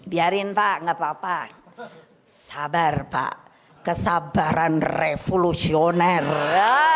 diarin kak enggak papa sabar pak kesabaran revolusioner